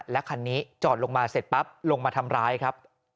และคันนี้จอดลงมาเสร็จปั๊บลงมาทำร้ายครับ